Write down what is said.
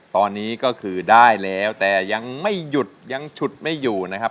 ตอนนี้ก็คือได้แล้วแต่ยังไม่หยุดยังฉุดไม่อยู่นะครับ